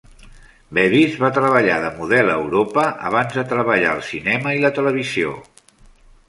Bevis va treballar de model a Europa abans de treballar al cinema i la televisió.